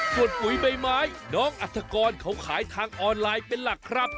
ส่วนปุ๋ยใบไม้น้องอัฐกรเขาขายทางออนไลน์เป็นหลักครับ